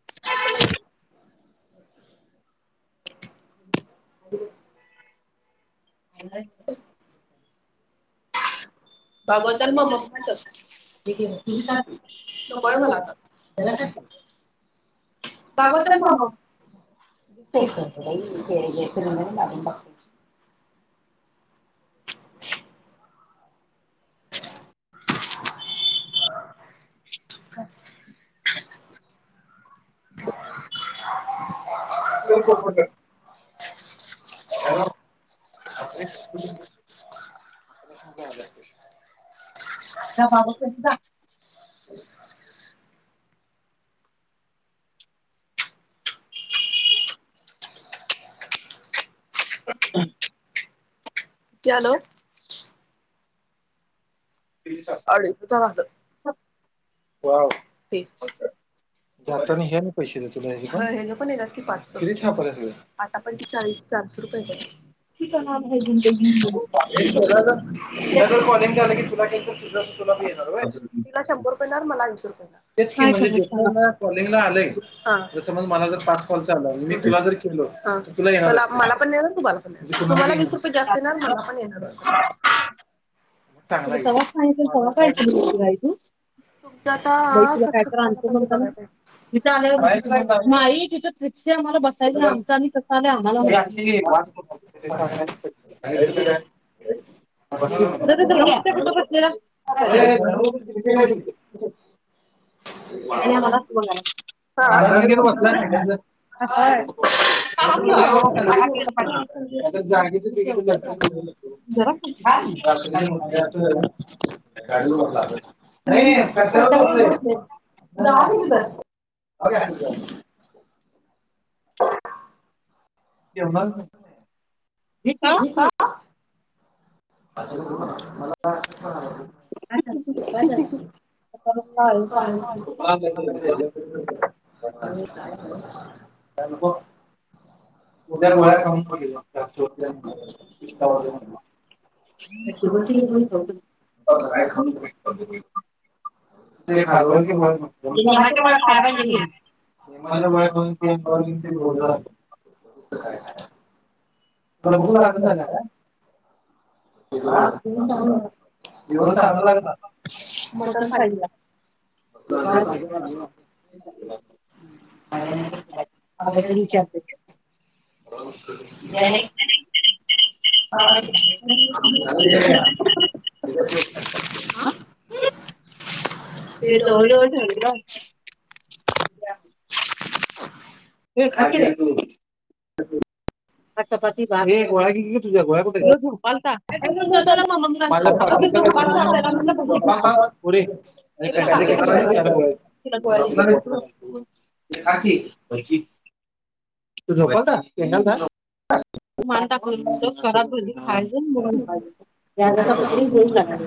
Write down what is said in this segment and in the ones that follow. ह [unintelligible] ह [inaudible] अ [inaudible] [unintelligible] भागवताला मप्पाचय मला. सगत ममा [unintelligible] रीेत [unintelligible] तपत [unintelligible] [inaudible] ह [inaudible] हो [inaudible] [inaudible] बाबा [unintelligible] ह [unintelligible] कलो [unintelligible] तीनश [unintelligible] वा जात हे [unintelligible] प पण पाचहा आता पण ते चाळीस चारशे रुपये. त का ना आहे ज ते घिन [unintelligible] हे श जर तुझला जर कॉलेजने झालं की तुला का तुझं. तु तुला शंभर रु मला रुपच म्हे जे. कंग मला पाच कॉल तु. मला पण येणार तुमला पण तुमला वीस रुपये जास्त येणार मला पण येणार. तुला त त ता तू [unintelligible] बाई तुला कायत आणतो म्हणता ना तिथ आले मा तिथ ट्रिप आम्हाला बसाय आम कसं आ आम्हाला. [unintelligible] कुटब [unintelligible] आणि आम्हाला बघ अ घेट [unintelligible] [unintelligible] [unintelligible] ा नाही क [unintelligible] जागच बर [unintelligible] ब अस [unintelligible] वा [unintelligible] का [unintelligible] काांग [unintelligible] [inaudible] [unintelligible] उद्या गोळ्यात खथांऊगेल जास्त. [unintelligible] [unintelligible] त [inaudible] [inaudible] का रोज चांगला लागला आता हा [unintelligible] [inaudible] ह [unintelligible] ह ते तर ढ झा का अठी [inaudible] [unintelligible] तु खाात ना आ पाती बा हेओळग क तुझ्या झल मामा झे अरीार गो काखी तू झोपाता क खाल तो मानतातात खाऊन मुली व्याजाचा कत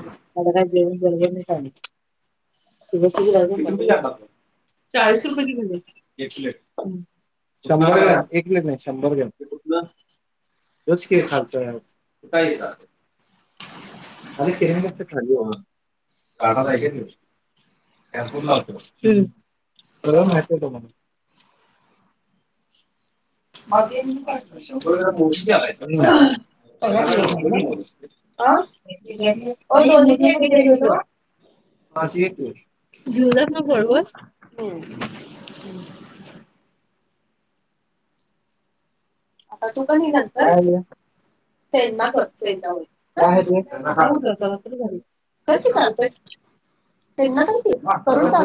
जो जेऊन जव चाळीस रुपयेची किलो एक पलेट शंभर ग्रॅम एक प्लेट नाही शंभर ग्राम तच कि खातो का [inaudible] [unintelligible] अ किरंग असत खाली काढा मा त मग व मो अ दोन हु त्या त क न त्यांना कर त्यांच्या कस चालतय त्यांना करते करचा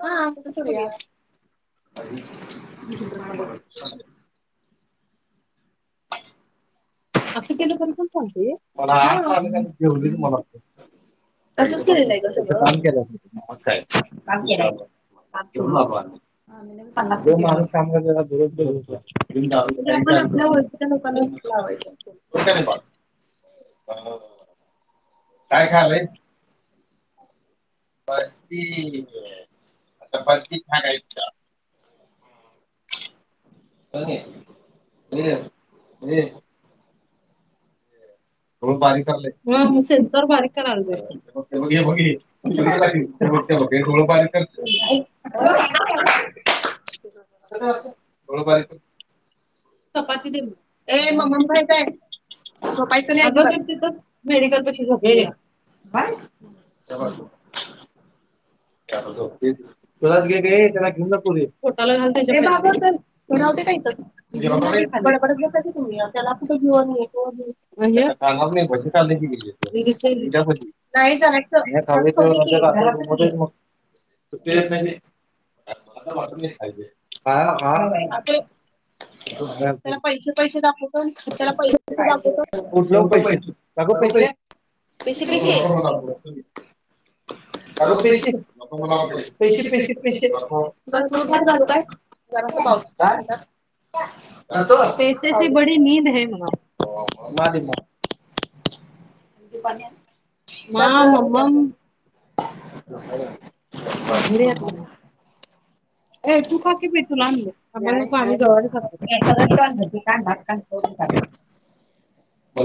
हा कसं करूया छ [inaudible] [unintelligible] [inaudible] असं केलं तरी कोण सांगते म काम केलं नकार ह तो माणूस कामना त्याला दरो दे वद [inaudible] हो काय खालंय ब [inaudible] तर बत्की खांग इच्छा हो हम्म हम्म बारीक कर मग सेनसॉर बारीक कराघ बघ बघ ोळपारी करते होळूबारी चप ए ममण काल कायप मेडिकल बाय तुलाच गे ग त्याला घेऊन जाूटाला घाल तुम्ही कुठ घेऊनज त म ख [inaudible] त्याला पैसे पैसे दाखव उठलं पैसे बघ पैसे [unintelligible] पैसे पैशी पशीू म्हणय का पैसे से बडी नींद. [unintelligible] [inaudible] [unintelligible] [unintelligible] [unintelligible] मला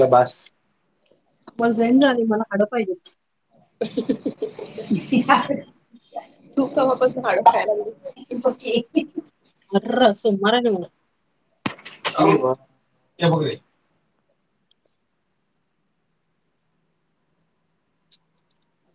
बास पण जाईन झाली मला आड पाहिजे. [unintelligible] [unintelligible] [unintelligible]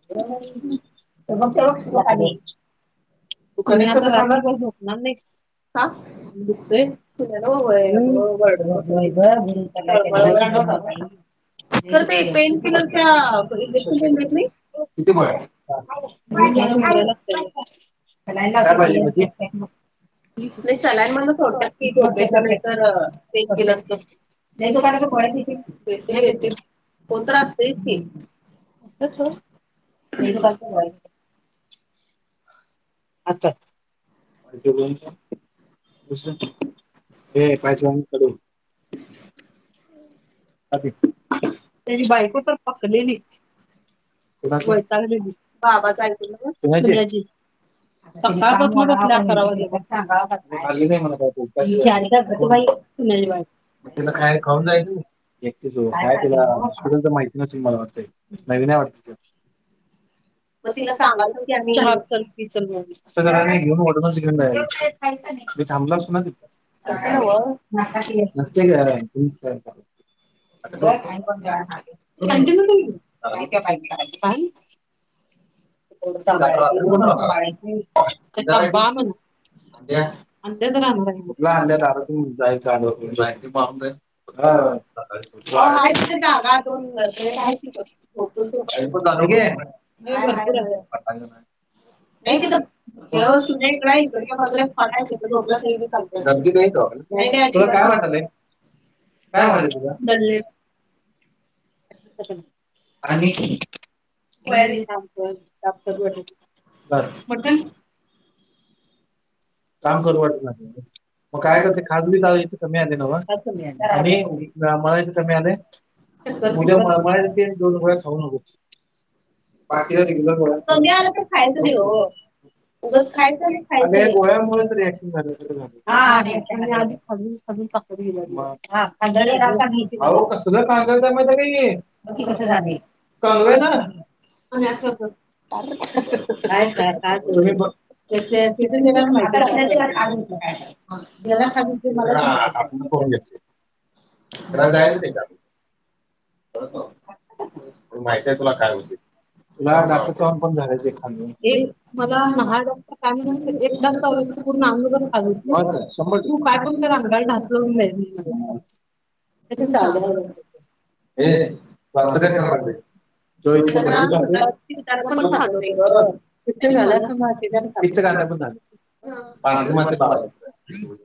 [unintelligible] [unintelligible] [unintelligible] [unintelligible] [unintelligible] [unintelligible] [unintelligible] [unintelligible] [unintelligible] अस. [unintelligible] [unintelligible] [unintelligible] [unintelligible] नाही ते तर खायला खाऊन जायचं. एकतीच काय तुला हॉस्पिटलच माहिती नस मला वाटतंय नवीन वाटते. [unintelligible] [unintelligible] [unintelligible] [unintelligible] [unintelligible] [unintelligible] [unintelligible] [unintelligible] [unintelligible] [unintelligible] [unintelligible] मटण. काम करू वाटत लाग मग काय करते खाज तज कमी आहे ना व आणि [unintelligible] बाकी मी आला तर खायचं नाही हो. बस खायचं नाही खायच. [unintelligible] [unintelligible] [unintelligible] त्याच त्याला माहिती त्याला खज मला. करा जायच नाही का? करत माहिती आहे तुला काय होती. तुला डक्टर चवण पण झायखा मला नहा डॉक्टर काय एक डक्टर आव [inaudible] पूर्ण अ खाल तू काय पण अंगा ढासल [inaudible] [unintelligible] [unintelligible] [unintelligible]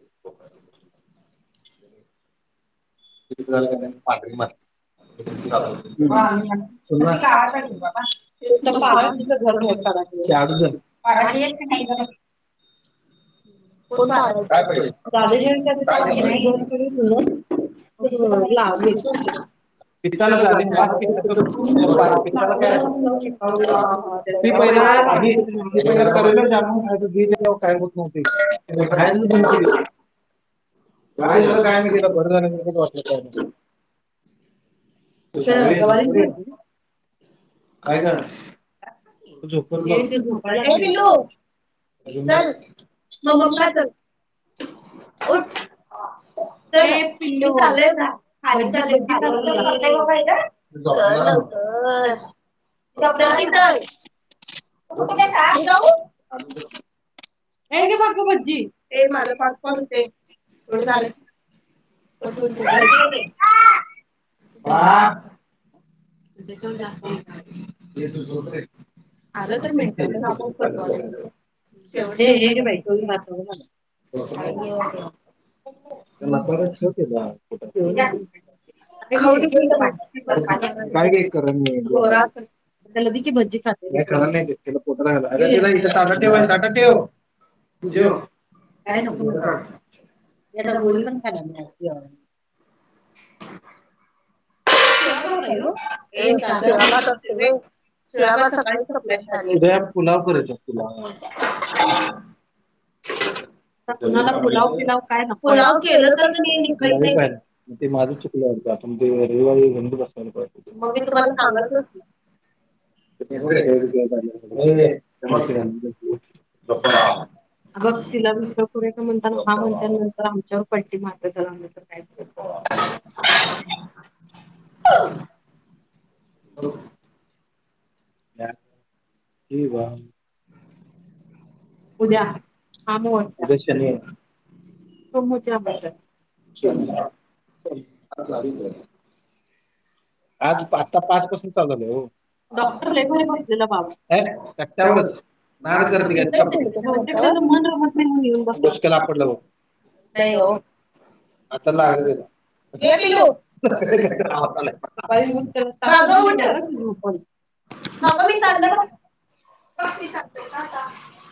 [unintelligible] [unintelligible] [unintelligible] ण द ना [inaudible] ह ला येत क [inaudible] पित्ताना झाली मात पित्त पितता काय. ती पहिला आी [inaudible] पहि करेल जाणून काय तुी काय होत नव्हती यचं ना तु [inaudible] खसर काय नाही तिला भर झालं वाटलं काय नाही. तु काय का झ झ [inaudible] मम पाात [inaudible] तरी य का खव [inaudible] मबाईला [inaudible] तू कु तात जाऊ [inaudible] नाही का बाघू भज्जी ते माझं पाठ पाणते एवढं झालं हा त्याच्यावर जास्त होत. आ व [inaudible] चथे हे बाई चोही मात [inaudible] म शेती [inaudible] काय का कर [inaudible] त्याला भजी खात त इथे ताटा ठेवा तटा ठेव. तुझो काय नक कर [inaudible] याता वई पण खराब नाहीते, [unintelligible] साला सात तम [inaudible] शिळाबार सकाळी ठपलाय [inaudible] [unintelligible] तु्हाला फुलाव फिलाव काय ना फुलाव केलं तर माझ तुम रविवारी बंदू बस मग मी तुम्हाला सांग [inaudible] शी ल [inaudible] बघ तिला विसव पुूरे का म्हणताना हा म्हणता नंतर आमच्यावर पं्टी मार [inaudible] त्या का [inaudible] हो क बा [inaudible] उद्या आमोशा समत आ म्ह [inaudible] असला अधित [inaudible] आज आत्ता पाच पासून चालु झालय हो. डॉक्टर लई भारी बसलेला बाब कट्ट्यावरच नाद करती काय बहुतेक त्याचं मन रमत नाही. म्हणून येऊन बसतोय डोक्यावर आपटलं. नाही हो [unintelligible] जागा हो बाग मी चालो बग‌. बती ते काता [inaudible]